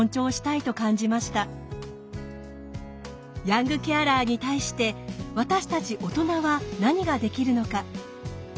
ヤングケアラーに対して私たち大人は何ができるのか。